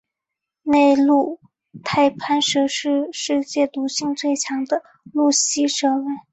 内陆太攀蛇是世界毒性最强的陆栖蛇类。